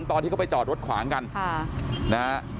ตอนที่เข้าไปจอดรถขวางกัน